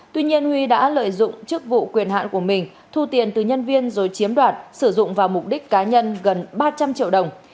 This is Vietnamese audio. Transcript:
tuy nhiên huy đã lợi dụng chức vụ quyền hạn của mình thu tiền từ nhân viên rồi chiếm đoạt sử dụng vào mục đích cá nhân gần ba trăm linh triệu đồng